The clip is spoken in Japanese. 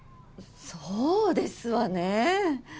そうですわね。